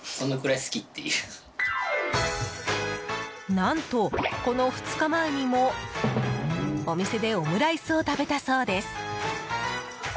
何とこの２日前にも、お店でオムライスを食べたそうです。